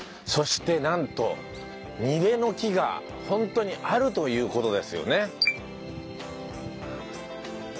そしてなんと楡の木がホントにあるという事ですよね。